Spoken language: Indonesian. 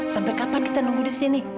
sampai kapan kita nunggu di sini